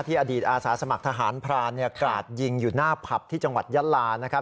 อดีตอาสาสมัครทหารพรานกราดยิงอยู่หน้าผับที่จังหวัดยะลานะครับ